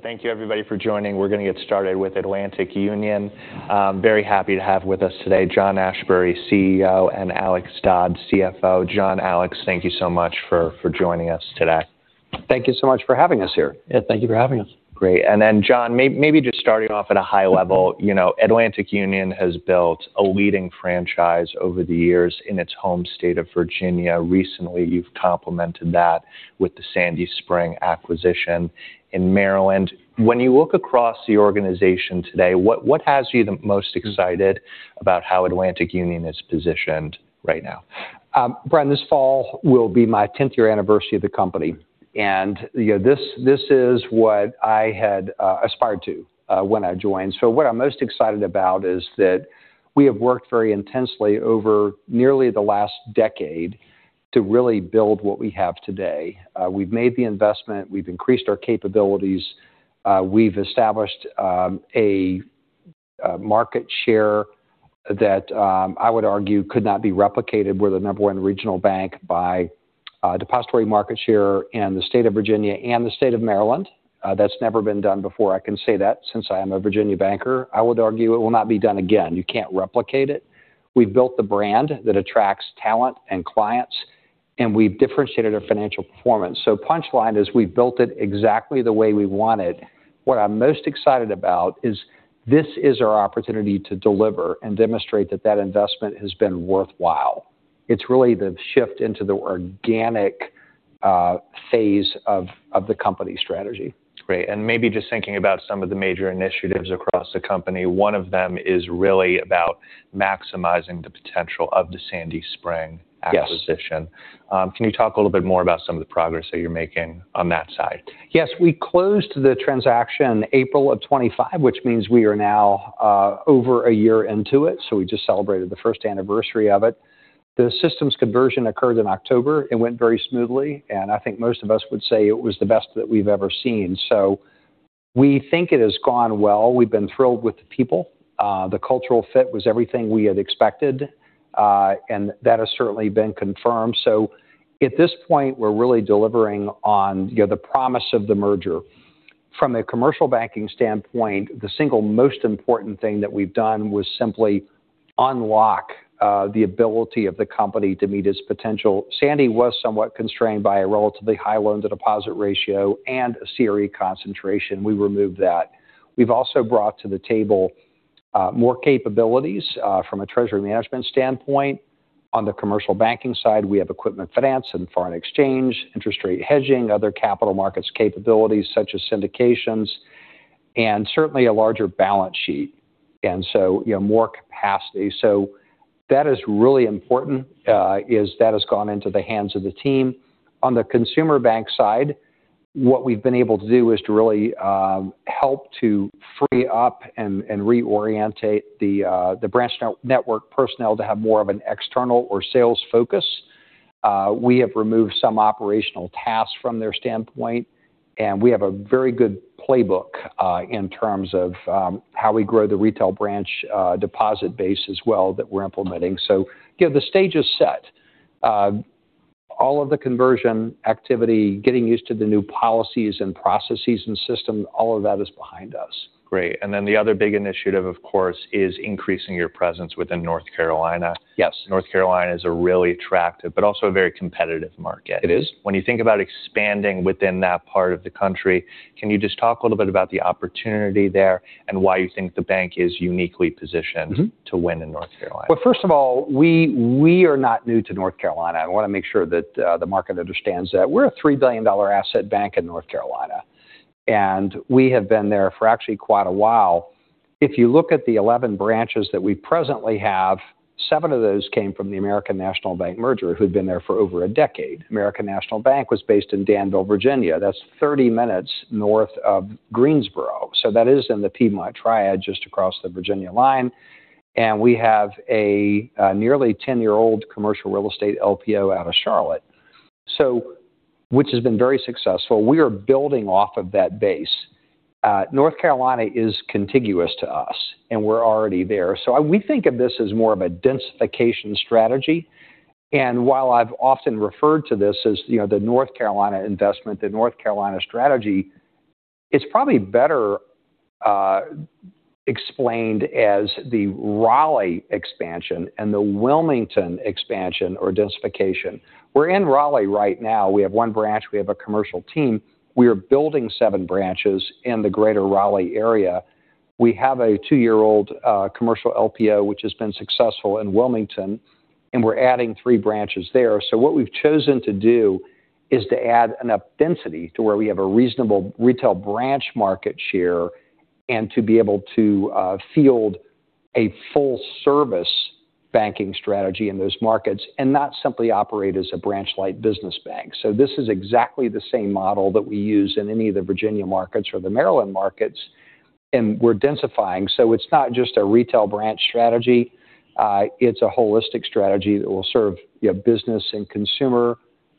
Thank you everybody for joining. We're going to get started with Atlantic Union. Very happy to have with us today John Asbury, Chief Executive Officer, and Alex Dodd, Chief Financial Officer. John, Alex, thank you so much for joining us today. Thank you so much for having us here. Yeah, thank you for having us. Great. John, maybe just starting off at a high level. Atlantic Union has built a leading franchise over the years in its home state of Virginia. Recently, you've complemented that with the Sandy Spring acquisition in Maryland. When you look across the organization today, what has you the most excited about how Atlantic Union is positioned right now? Brian, this fall will be my 10th-year anniversary of the company, and this is what I had aspired to when I joined. What I'm most excited about is that we have worked very intensely over nearly the last decade to really build what we have today. We've made the investment. We've increased our capabilities. We've established a market share that I would argue could not be replicated. We're the number one regional bank by depository market share in the state of Virginia and the state of Maryland. That's never been done before. I can say that since I am a Virginia banker. I would argue it will not be done again. You can't replicate it. We've built the brand that attracts talent and clients, and we've differentiated our financial performance. Punchline is we've built it exactly the way we wanted. What I'm most excited about is this is our opportunity to deliver and demonstrate that that investment has been worthwhile. It's really the shift into the organic phase of the company strategy. Great. Maybe just thinking about some of the major initiatives across the company, one of them is really about maximizing the potential of the Sandy Spring acquisition. Yes. Can you talk a little more about some of the progress that you're making on that side? Yes. We closed the transaction April of 2025, which means we are now over one year into it. We just celebrated the first anniversary of it. The systems conversion occurred in October. It went very smoothly, and I think most of us would say it was the best that we've ever seen. We think it has gone well. We've been thrilled with the people. The cultural fit was everything we had expected. That has certainly been confirmed. At this point, we're really delivering on the promise of the merger. From a commercial banking standpoint, the single most important thing that we've done was simply unlock the ability of the company to meet its potential. Sandy Spring Bancorp was somewhat constrained by a relatively high loan-to-deposit ratio and a CRE concentration. We removed that. We've also brought to the table more capabilities from a treasury management standpoint. On the commercial banking side, we have Atlantic Union Equipment Finance and foreign exchange, interest rate hedging, other capital markets capabilities such as syndications, and certainly a larger balance sheet. More capacity. That is really important is that has gone into the hands of the team. On the consumer bank side, what we've been able to do is to really help to free up and reorientate the branch network personnel to have more of an external or sales focus. We have removed some operational tasks from their standpoint, and we have a very good playbook in terms of how we grow the retail branch deposit base as well that we're implementing. The stage is set. All of the conversion activity, getting used to the new policies and processes and systems, all of that is behind us. Great. The other big initiative, of course, is increasing your presence within North Carolina. Yes. North Carolina is a really attractive but also a very competitive market. It is. When you think about expanding within that part of the country, can you just talk a little bit about the opportunity there and why you think the bank is uniquely positioned to win in North Carolina? Well, first of all, we are not new to North Carolina. I want to make sure that the market understands that. We're a $3 billion asset bank in North Carolina, and we have been there for actually quite a while. If you look at the 11 branches that we presently have, seven of those came from the American National Bank merger, who'd been there for over a decade. American National Bank was based in Danville, Virginia. That's 30 minutes north of Greensboro. That is in the Piedmont Triad just across the Virginia line. We have a nearly 10-year-old commercial real estate LPO out of Charlotte, which has been very successful. We are building off of that base. North Carolina is contiguous to us, and we're already there. We think of this as more of a densification strategy. While I've often referred to this as the North Carolina investment, the North Carolina strategy, it's probably better explained as the Raleigh expansion and the Wilmington expansion or densification. We're in Raleigh right now. We have one branch. We have a commercial team. We are building seven branches in the greater Raleigh area. We have a two-year-old commercial LPO, which has been successful in Wilmington, and we're adding three branches there. What we've chosen to do is to add enough density to where we have a reasonable retail branch market share and to be able to field a full-service banking strategy in those markets and not simply operate as a branch-light business bank. This is exactly the same model that we use in any of the Virginia markets or the Maryland markets, and we're densifying. It's not just a retail branch strategy. It's a holistic strategy that will serve your business and consumer.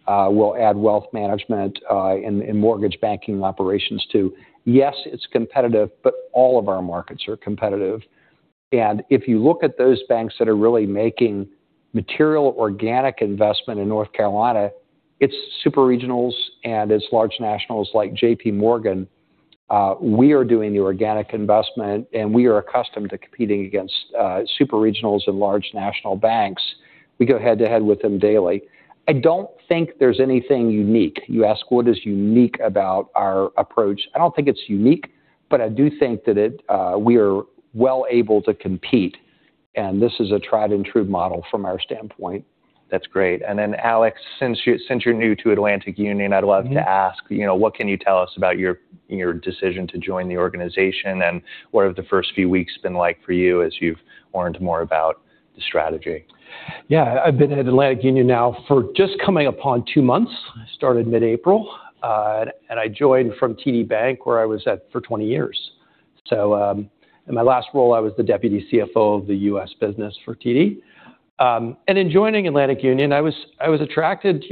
We'll add wealth management and mortgage banking operations, too. Yes, it's competitive, but all of our markets are competitive. If you look at those banks that are really making material organic investment in North Carolina, it's super regionals and it's large nationals like JPMorgan. We are doing the organic investment, and we are accustomed to competing against super regionals and large national banks. We go head-to-head with them daily. I don't think there's anything unique. You ask what is unique about our approach. I don't think it's unique, but I do think that we are well able to compete, and this is a tried and true model from our standpoint. That's great. Alex, since you're new to Atlantic Union, I'd love to ask what can you tell us about your decision to join the organization, and what have the first few weeks been like for you as you've learned more about the strategy? Yeah. I've been at Atlantic Union now for just coming upon two months. I started mid-April, and I joined from TD Bank, where I was at for 20 years. In my last role, I was the Deputy Chief Financial Officer of the U.S. business for TD. In joining Atlantic Union, I was attracted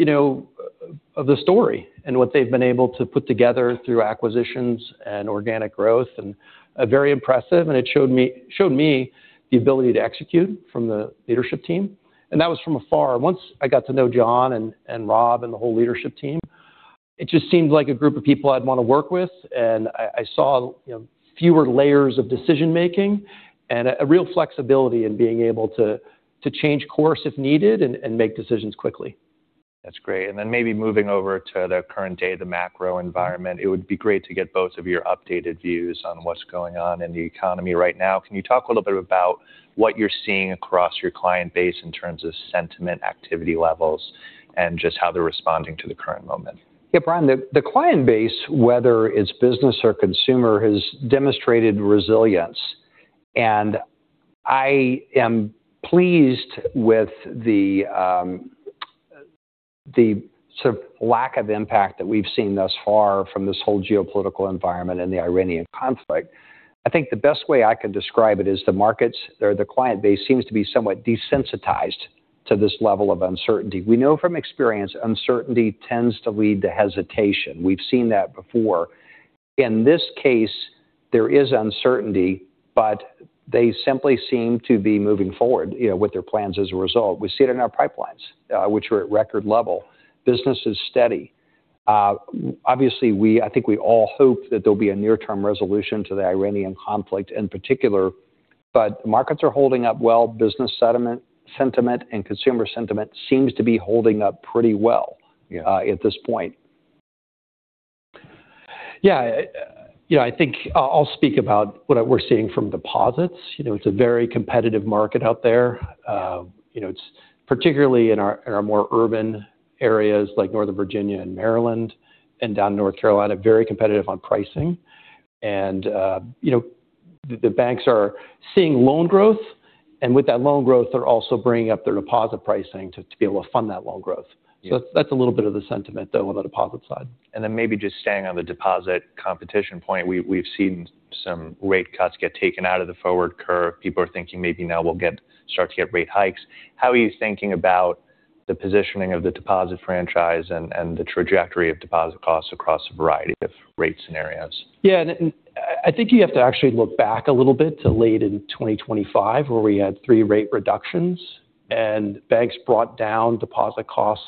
of the story and what they've been able to put together through acquisitions and organic growth, and very impressive. It showed me the ability to execute from the leadership team. That was from afar. Once I got to know John and Rob and the whole leadership team, it just seemed like a group of people I'd want to work with. I saw fewer layers of decision-making and a real flexibility in being able to change course if needed and make decisions quickly. That's great. Maybe moving over to the current day, the macro environment. It would be great to get both of your updated views on what's going on in the economy right now. Can you talk a little bit about what you're seeing across your client base in terms of sentiment, activity levels, and just how they're responding to the current moment? Yeah, Brian, the client base, whether it's business or consumer, has demonstrated resilience. I am pleased with the lack of impact that we've seen thus far from this whole geopolitical environment and the Iranian conflict. I think the best way I can describe it is the markets or the client base seems to be somewhat desensitized to this level of uncertainty. We know from experience uncertainty tends to lead to hesitation. We've seen that before. In this case, there is uncertainty, they simply seem to be moving forward with their plans as a result. We see it in our pipelines which are at record level. Business is steady. Obviously, I think we all hope that there'll be a near-term resolution to the Iranian conflict in particular, markets are holding up well. Business sentiment and consumer sentiment seems to be holding up pretty well at this point. Yeah. I think I'll speak about what we're seeing from deposits. It's a very competitive market out there. It's particularly in our more urban areas like Northern Virginia and Maryland and down in North Carolina, very competitive on pricing. The banks are seeing loan growth, and with that loan growth, they're also bringing up their deposit pricing to be able to fund that loan growth. Yeah. That's a little bit of the sentiment though on the deposit side. Maybe just staying on the deposit competition point, we've seen some rate cuts get taken out of the forward curve. People are thinking maybe now we'll start to get rate hikes. How are you thinking about the positioning of the deposit franchise and the trajectory of deposit costs across a variety of rate scenarios? Yeah. I think you have to actually look back a little bit to late in 2025 where we had three rate reductions, and banks brought down deposit costs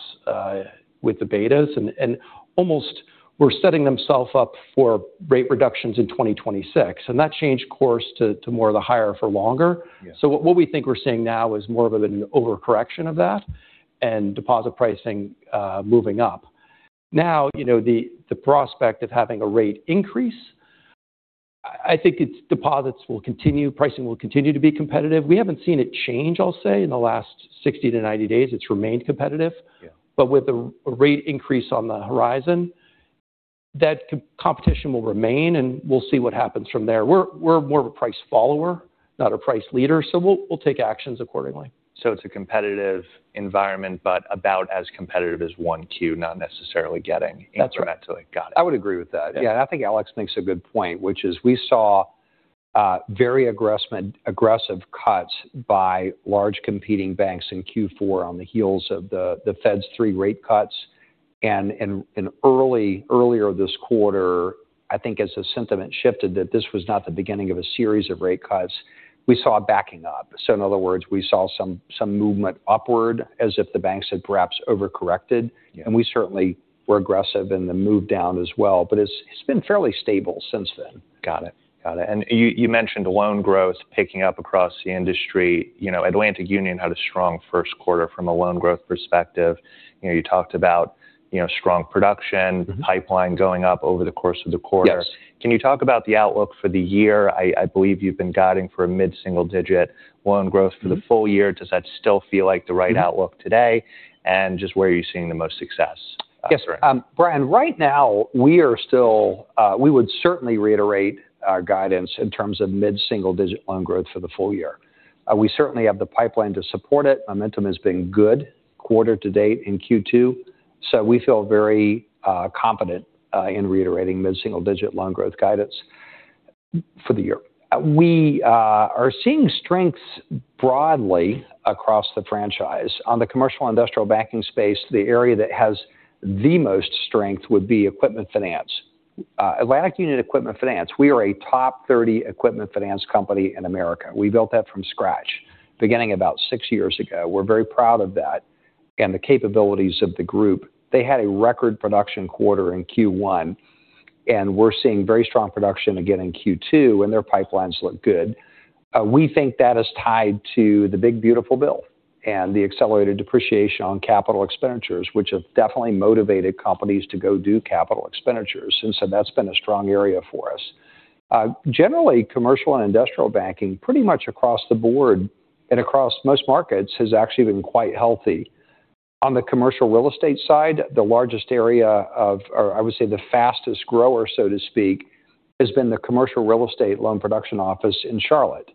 with the betas, and almost were setting themself up for rate reductions in 2026. That changed course to more of the higher for longer. Yeah. What we think we're seeing now is more of an overcorrection of that and deposit pricing moving up. Now, the prospect of having a rate increase, I think deposits will continue, pricing will continue to be competitive. We haven't seen it change, I'll say, in the last 60 to 90 days. It's remained competitive. Yeah. With a rate increase on the horizon, that competition will remain, and we'll see what happens from there. We're more of a price follower, not a price leader, so we'll take actions accordingly. It's a competitive environment, but about as competitive as 1Q, not necessarily getting incrementally. That's right. Got it. I would agree with that. Yeah. Yeah. I think Alex makes a good point, which is we saw very aggressive cuts by large competing banks in Q4 on the heels of the Fed's three rate cuts. Earlier this quarter, I think as the sentiment shifted that this was not the beginning of a series of rate cuts, we saw a backing up. In other words, we saw some movement upward as if the banks had perhaps overcorrected. Yeah. We certainly were aggressive in the move down as well, but it's been fairly stable since then. Got it. You mentioned loan growth picking up across the industry. Atlantic Union had a strong first quarter from a loan growth perspective. You talked about strong production pipeline going up over the course of the quarter. Yes. Can you talk about the outlook for the year? I believe you've been guiding for a mid-single digit loan growth for the full year. Does that still feel like the right outlook today? Just where are you seeing the most success? Yes. Brian, right now we would certainly reiterate our guidance in terms of mid-single digit loan growth for the full year. We certainly have the pipeline to support it. Momentum has been good quarter to date in Q2, we feel very confident in reiterating mid-single digit loan growth guidance for the year. We are seeing strengths broadly across the franchise. On the commercial industrial banking space, the area that has the most strength would be equipment finance. Atlantic Union Equipment Finance. We are a top 30 equipment finance company in America. We built that from scratch beginning about six years ago. We're very proud of that and the capabilities of the group. They had a record production quarter in Q1, and we're seeing very strong production again in Q2, and their pipelines look good. We think that is tied to the big beautiful build and the accelerated depreciation on capital expenditures, which have definitely motivated companies to go do capital expenditures. That's been a strong area for us. Generally, commercial and industrial banking, pretty much across the board and across most markets, has actually been quite healthy. On the commercial real estate side, the largest area of, or I would say the fastest grower, so to speak, has been the commercial real estate loan production office in Charlotte.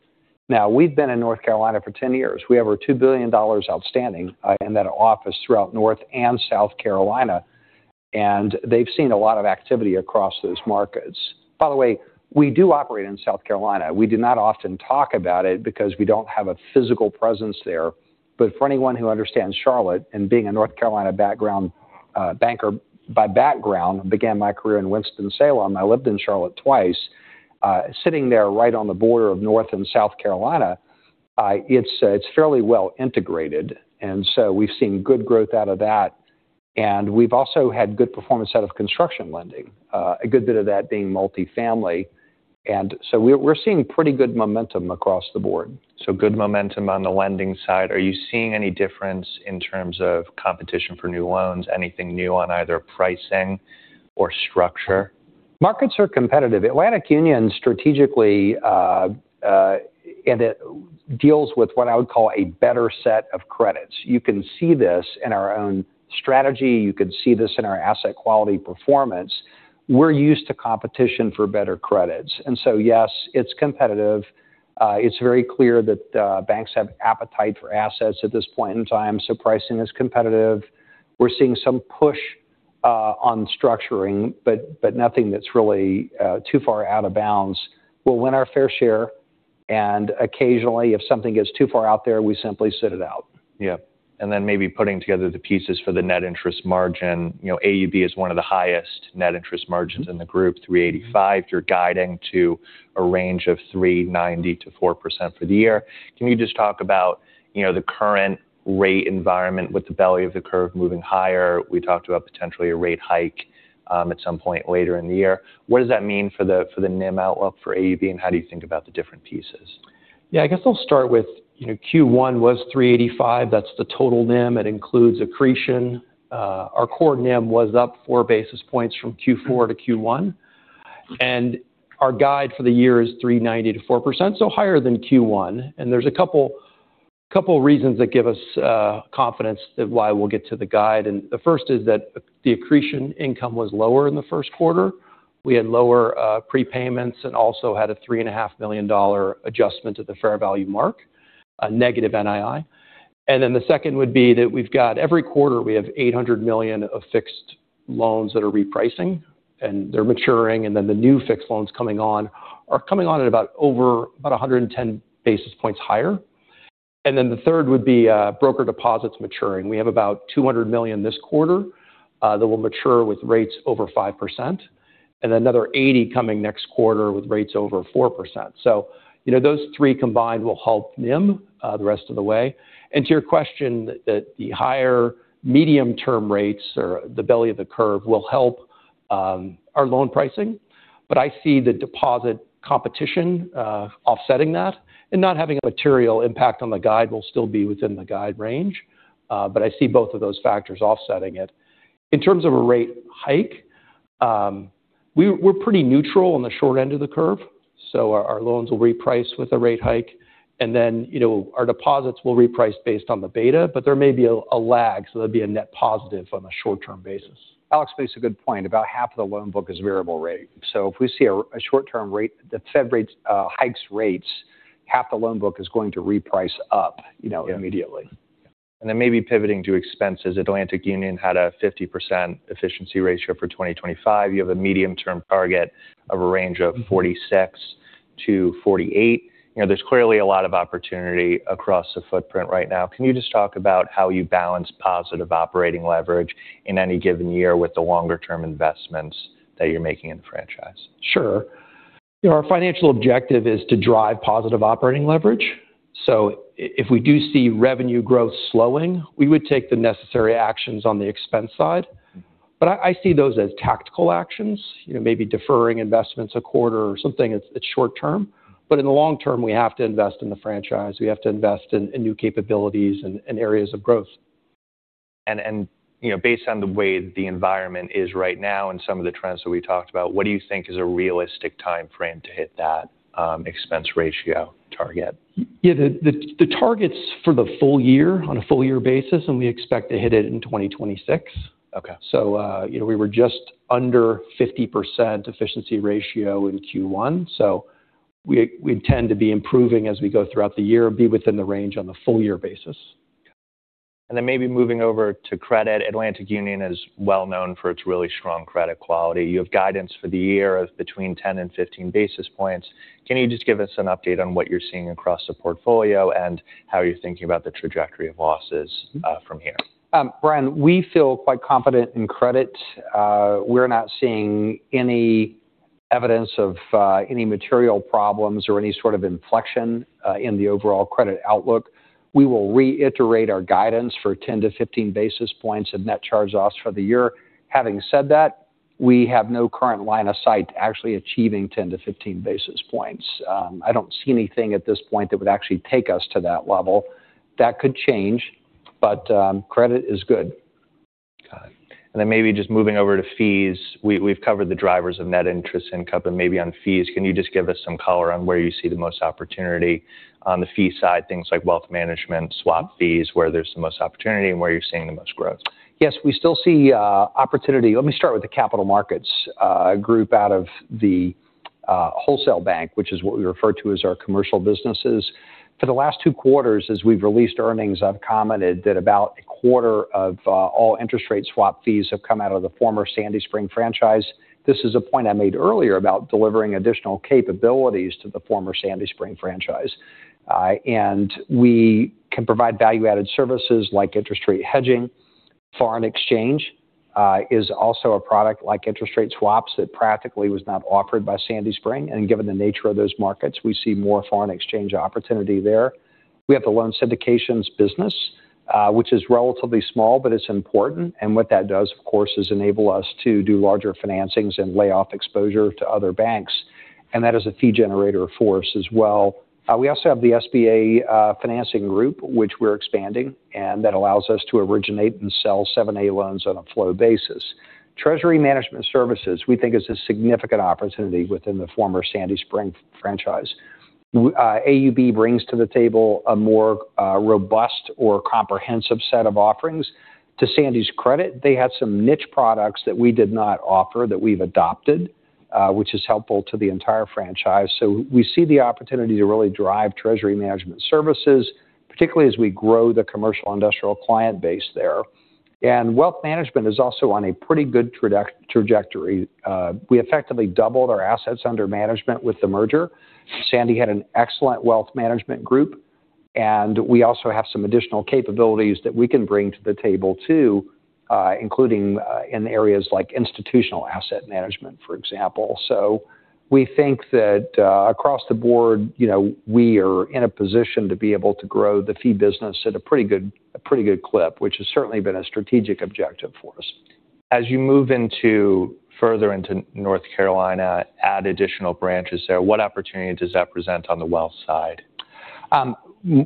Now, we've been in North Carolina for 10 years. We have over $2 billion outstanding in that office throughout North and South Carolina, and they've seen a lot of activity across those markets. By the way, we do operate in South Carolina. We do not often talk about it because we don't have a physical presence there. For anyone who understands Charlotte and being a North Carolina banker by background, began my career in Winston-Salem. I lived in Charlotte twice. Sitting there right on the border of North and South Carolina, it's fairly well integrated. We've seen good growth out of that. We've also had good performance out of construction lending. A good bit of that being multi-family. We're seeing pretty good momentum across the board. Good momentum on the lending side. Are you seeing any difference in terms of competition for new loans? Anything new on either pricing or structure? Markets are competitive. Atlantic Union strategically deals with what I would call a better set of credits. You can see this in our own strategy. You can see this in our asset quality performance. We're used to competition for better credits. Yes, it's competitive. It's very clear that banks have appetite for assets at this point in time. Pricing is competitive. We're seeing some push on structuring, but nothing that's really too far out of bounds. We'll win our fair share, and occasionally, if something gets too far out there, we simply sit it out. Maybe putting together the pieces for the net interest margin. AUB is one of the highest net interest margins in the group, 385. You're guiding to a range of 390 to 4% for the year. Can you just talk about the current rate environment with the belly of the curve moving higher? We talked about potentially a rate hike at some point later in the year. What does that mean for the NIM outlook for AUB, and how do you think about the different pieces? I guess I'll start with Q1 was 385. That's the total NIM. It includes accretion. Our core NIM was up four basis points from Q4-Q1. Our guide for the year is 390 to 4%, so higher than Q1. There's a couple reasons that give us confidence why we'll get to the guide. The first is that the accretion income was lower in the first quarter. We had lower prepayments and also had a $3.5 million adjustment to the fair value mark, a negative NII. The second would be that every quarter, we have $800 million of fixed loans that are repricing, and they're maturing, and then the new fixed loans coming on are coming on at about over 110 basis points higher. The third would be broker deposits maturing. We have about $200 million this quarter that will mature with rates over 5%, and another $80 million coming next quarter with rates over 4%. Those three combined will help NIM the rest of the way. To your question that the higher medium-term rates or the belly of the curve will help our loan pricing. I see the deposit competition offsetting that. Not having a material impact on the guide will still be within the guide range. I see both of those factors offsetting it. In terms of a rate hike, we're pretty neutral on the short end of the curve. Our loans will reprice with a rate hike. Our deposits will reprice based on the beta, but there may be a lag, so there'd be a net positive on a short-term basis. Alex makes a good point. About half of the loan book is variable rate. If we see the Fed hikes rates, half the loan book is going to reprice up immediately. Maybe pivoting to expenses. Atlantic Union had a 50% efficiency ratio for 2025. You have a medium-term target of a range of 46%-48%. There's clearly a lot of opportunity across the footprint right now. Can you just talk about how you balance positive operating leverage in any given year with the longer-term investments that you're making in the franchise? Sure. Our financial objective is to drive positive operating leverage. If we do see revenue growth slowing, we would take the necessary actions on the expense side. I see those as tactical actions. Maybe deferring investments a quarter or something that's short-term. In the long term, we have to invest in the franchise. We have to invest in new capabilities and areas of growth. Based on the way the environment is right now and some of the trends that we talked about, what do you think is a realistic timeframe to hit that expense ratio target? The target's for the full year on a full-year basis, we expect to hit it in 2026. Okay. We were just under 50% efficiency ratio in Q1. We intend to be improving as we go throughout the year, be within the range on the full-year basis. Maybe moving over to credit. Atlantic Union is well-known for its really strong credit quality. You have guidance for the year of between 10 basis points and 15 basis points. Can you just give us an update on what you're seeing across the portfolio and how you're thinking about the trajectory of losses from here? Brian, we feel quite confident in credit. We're not seeing any evidence of any material problems or any sort of inflection in the overall credit outlook. We will reiterate our guidance for 10 basis point-15 basis points in net charge-offs for the year. Having said that, we have no current line of sight to actually achieving 10 basis points-15 basis points. I don't see anything at this point that would actually take us to that level. That could change, but credit is good. Got it. Maybe just moving over to fees, we've covered the drivers of net interest and covered maybe on fees. Can you just give us some color on where you see the most opportunity on the fee side, things like wealth management, swap fees, where there's the most opportunity and where you're seeing the most growth? Yes, we still see opportunity. Let me start with the capital markets group out of the wholesale bank, which is what we refer to as our commercial businesses. For the last two quarters, as we've released earnings, I've commented that about a quarter of all interest rate swap fees have come out of the former Sandy Spring franchise. This is a point I made earlier about delivering additional capabilities to the former Sandy Spring franchise. We can provide value-added services like interest rate hedging. Foreign exchange is also a product like interest rate swaps that practically was not offered by Sandy Spring. Given the nature of those markets, we see more foreign exchange opportunity there. We have the loan syndications business, which is relatively small, but it's important. What that does, of course, is enable us to do larger financings and lay off exposure to other banks. That is a fee generator for us as well. We also have the SBA financing group, which we're expanding, and that allows us to originate and sell 7(a) loans on a flow basis. Treasury management services we think is a significant opportunity within the former Sandy Spring franchise. AUB brings to the table a more robust or comprehensive set of offerings. To Sandy's credit, they had some niche products that we did not offer that we've adopted, which is helpful to the entire franchise. We see the opportunity to really drive treasury management services, particularly as we grow the commercial industrial client base there. Wealth management is also on a pretty good trajectory. We effectively doubled our assets under management with the merger. Sandy had an excellent wealth management group. We also have some additional capabilities that we can bring to the table too including in areas like institutional asset management, for example. We think that across the board, we are in a position to be able to grow the fee business at a pretty good clip, which has certainly been a strategic objective for us. As you move further into North Carolina, add additional branches there, what opportunity does that present on the wealth side?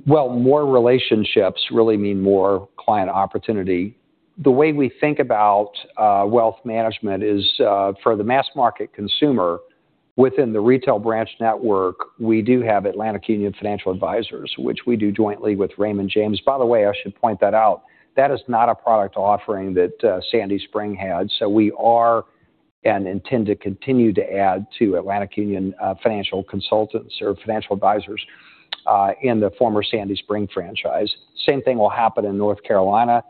Well, more relationships really mean more client opportunity. The way we think about wealth management is for the mass market consumer within the retail branch network, we do have Atlantic Union Financial Consultants, which we do jointly with Raymond James. By the way, I should point that out. That is not a product offering that Sandy Spring had. We are and intend to continue to add to Atlantic Union Financial Consultants or financial advisors in the former Sandy Spring franchise. Same thing will happen in North Carolina.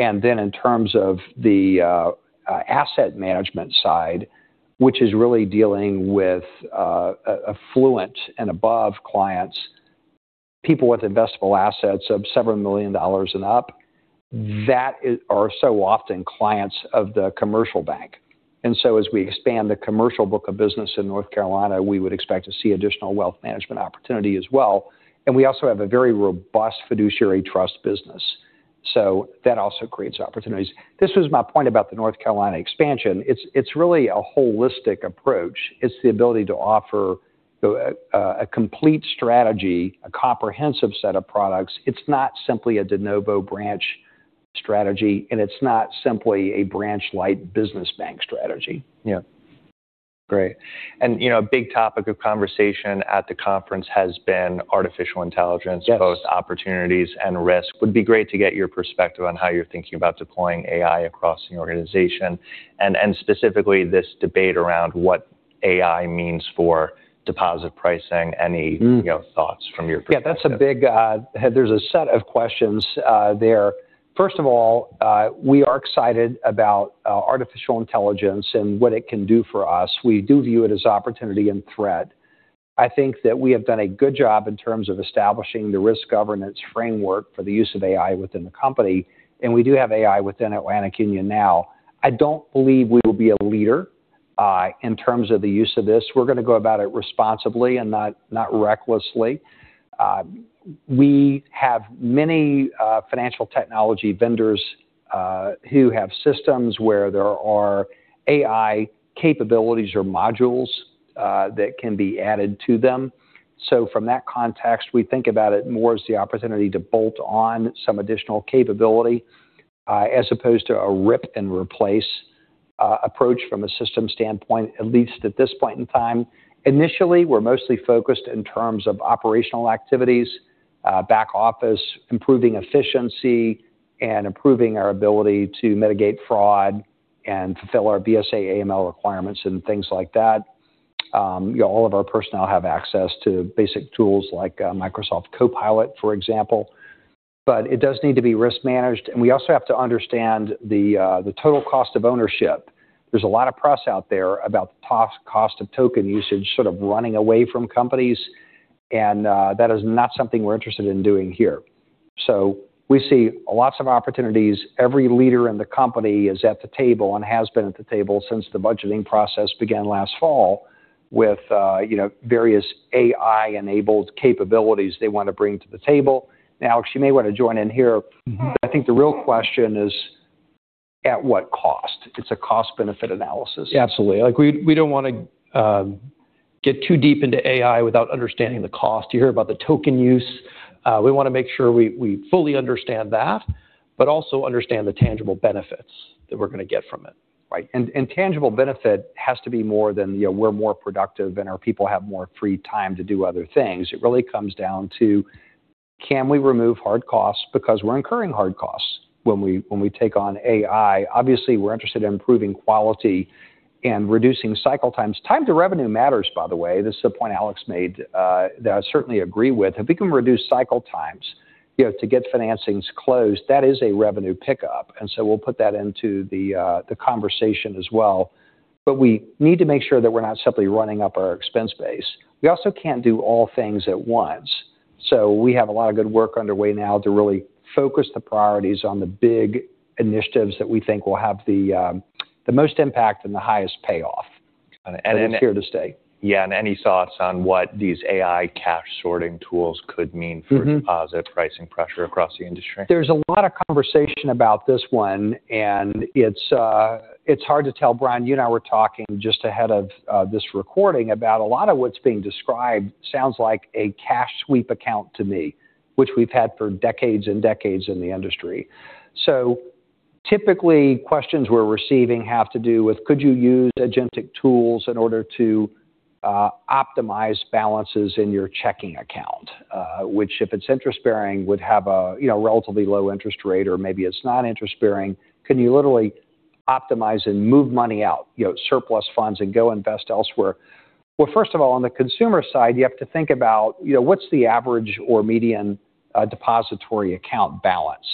In terms of the asset management side, which is really dealing with affluent and above clients, people with investable assets of several million dollars and up, that are so often clients of the commercial bank. As we expand the commercial book of business in North Carolina, we would expect to see additional wealth management opportunity as well. We also have a very robust fiduciary trust business. That also creates opportunities. This was my point about the North Carolina expansion. It's really a holistic approach. It's the ability to offer a complete strategy, a comprehensive set of products. It's not simply a de novo branch strategy, it's not simply a branch-light business bank strategy. Yeah. Great. A big topic of conversation at the conference has been artificial intelligence. Yes Both opportunities and risk. Would be great to get your perspective on how you're thinking about deploying AI across the organization and specifically this debate around what AI means for deposit pricing. Any thoughts from your perspective? Yeah, there's a set of questions there. First of all, we are excited about artificial intelligence and what it can do for us. We do view it as opportunity and threat. I think that we have done a good job in terms of establishing the risk governance framework for the use of AI within the company, and we do have AI within Atlantic Union now. I don't believe we will be a leader in terms of the use of this. We're going to go about it responsibly and not recklessly. We have many financial technology vendors who have systems where there are AI capabilities or modules that can be added to them. From that context, we think about it more as the opportunity to bolt on some additional capability as opposed to a rip-and-replace approach from a system standpoint, at least at this point in time. Initially, we're mostly focused in terms of operational activities, back office, improving efficiency, and improving our ability to mitigate fraud and fulfill our BSA/AML requirements and things like that. All of our personnel have access to basic tools like Microsoft Copilot, for example. It does need to be risk managed. We also have to understand the total cost of ownership. There's a lot of press out there about the cost of token usage sort of running away from companies, and that is not something we're interested in doing here. We see lots of opportunities. Every leader in the company is at the table and has been at the table since the budgeting process began last fall with various AI-enabled capabilities they want to bring to the table. Now, Alex, you may want to join in here. I think the real question is at what cost? It's a cost-benefit analysis. Absolutely. We don't want to get too deep into AI without understanding the cost. You hear about the token use. We want to make sure we fully understand that, also understand the tangible benefits that we're going to get from it. Right. Tangible benefit has to be more than, we're more productive and our people have more free time to do other things. It really comes down to can we remove hard costs because we're incurring hard costs when we take on AI. Obviously, we're interested in improving quality and reducing cycle times. Time to revenue matters, by the way. This is a point Alex made that I certainly agree with. If we can reduce cycle times to get financings closed, that is a revenue pickup. We'll put that into the conversation as well. We need to make sure that we're not simply running up our expense base. We also can't do all things at once. We have a lot of good work underway now to really focus the priorities on the big initiatives that we think will have the most impact and the highest payoff. It's here to stay. Any thoughts on what these AI cash sorting tools could mean for deposit pricing pressure across the industry? There's a lot of conversation about this one, and it's hard to tell. Brian, you and I were talking just ahead of this recording about a lot of what's being described sounds like a cash sweep account to me, which we've had for decades and decades in the industry. Typically, questions we're receiving have to do with could you use agentic tools in order to optimize balances in your checking account, which if it's interest-bearing, would have a relatively low interest rate, or maybe it's not interest-bearing. Can you literally optimize and move money out, surplus funds and go invest elsewhere? First of all, on the consumer side, you have to think about what's the average or median depository account balance,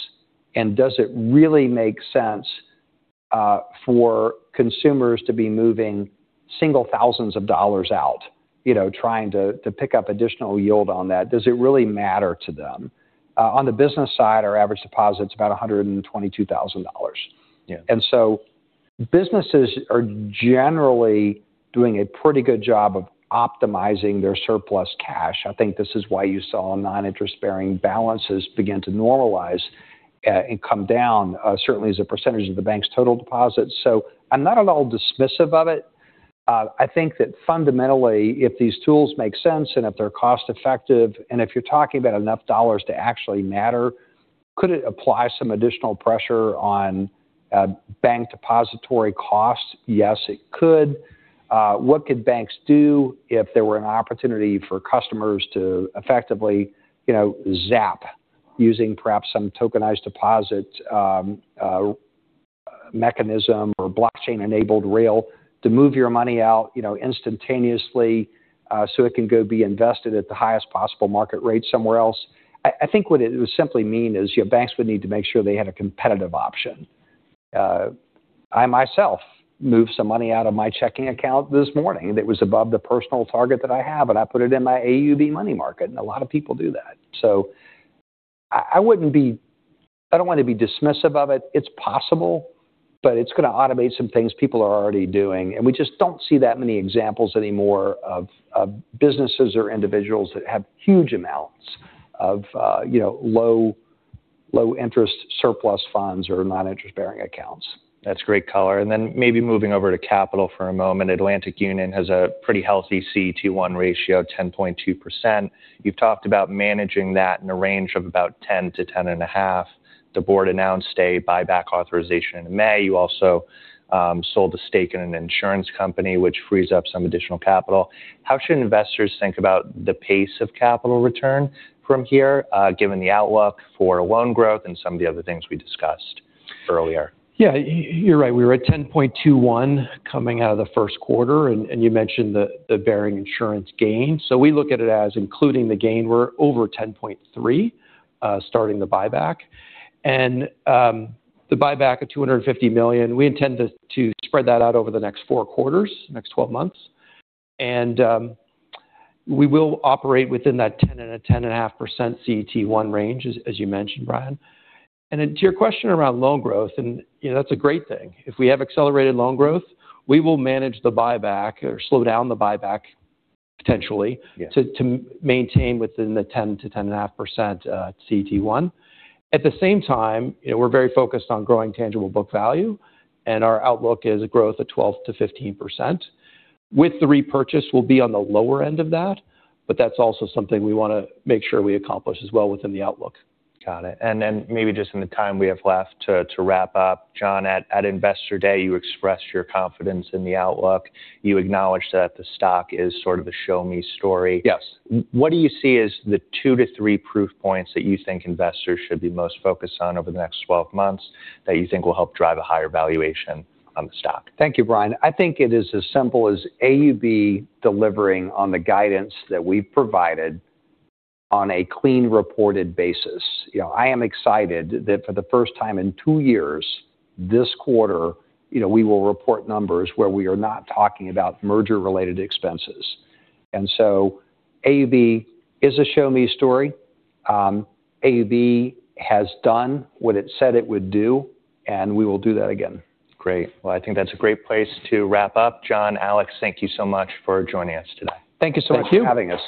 and does it really make sense for consumers to be moving single thousands of dollars out trying to pick up additional yield on that? Does it really matter to them? On the business side, our average deposit's about $122,000. Yeah. Businesses are generally doing a pretty good job of optimizing their surplus cash. I think this is why you saw non-interest-bearing balances begin to normalize and come down certainly as a percentage of the bank's total deposits. I'm not at all dismissive of it. I think that fundamentally, if these tools make sense and if they're cost-effective, and if you're talking about enough dollars to actually matter, could it apply some additional pressure on bank depository costs? Yes, it could. What could banks do if there were an opportunity for customers to effectively zap using perhaps some tokenized deposit mechanism or blockchain-enabled rail to move your money out instantaneously so it can go be invested at the highest possible market rate somewhere else? I think what it would simply mean is banks would need to make sure they had a competitive option. I myself moved some money out of my checking account this morning that was above the personal target that I have, and I put it in my AUB money market, and a lot of people do that. I don't want to be dismissive of it. It's possible, but it's going to automate some things people are already doing, and we just don't see that many examples anymore of businesses or individuals that have huge amounts of low interest surplus funds or non-interest-bearing accounts. That's great color. Maybe moving over to capital for a moment. Atlantic Union has a pretty healthy CET1 ratio of 10.2%. You've talked about managing that in a range of about 10%-10.5%. The board announced a buyback authorization in May. You also sold a stake in an insurance company, which frees up some additional capital. How should investors think about the pace of capital return from here, given the outlook for loan growth and some of the other things we discussed earlier? Yeah, you're right. We were at 10.21 coming out of the first quarter. You mentioned the Union insurance gain. We look at it as including the gain. We're over 10.3 starting the buyback. The buyback of $250 million, we intend to spread that out over the next four quarters, the next 12 months. We will operate within that 10%-10.5% CET1 range, as you mentioned, Brian. To your question around loan growth, that's a great thing. If we have accelerated loan growth, we will manage the buyback or slow down the buyback potentially. Yeah To maintain within the 10%-10.5% CET1. At the same time, we're very focused on growing tangible book value. Our outlook is a growth of 12%-15%. With the repurchase, we'll be on the lower end of that, but that's also something we want to make sure we accomplish as well within the outlook. Got it. Maybe just in the time we have left to wrap up, John, at Investor Day, you expressed your confidence in the outlook. You acknowledged that the stock is sort of a show-me story. Yes. What do you see as the two to three proof points that you think investors should be most focused on over the next 12 months that you think will help drive a higher valuation on the stock? Thank you, Brian. I think it is as simple as AUB delivering on the guidance that we've provided on a clean reported basis. I am excited that for the first time in two years, this quarter we will report numbers where we are not talking about merger-related expenses. AUB is a show-me story. AUB has done what it said it would do, and we will do that again. Great. Well, I think that's a great place to wrap up. John, Alex, thank you so much for joining us today. Thank you so much for having us.